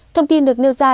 thông tin được nêu ra